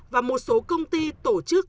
và một số công ty tổ chức